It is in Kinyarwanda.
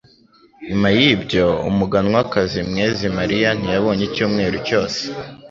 Nyuma yibyo, Umuganwakazi mwezi Mariya ntiyabonye icyumweru cyose.